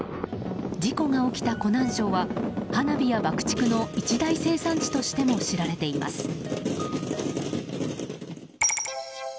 事故が起きた湖南省は花火や爆竹の一大生産地としても知られています。